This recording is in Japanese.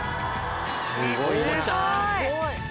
すごい。